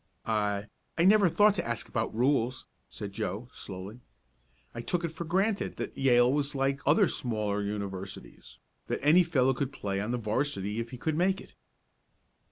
"I I never thought to ask about rules," said Joe, slowly. "I took it for granted that Yale was like other smaller universities that any fellow could play on the 'varsity if he could make it."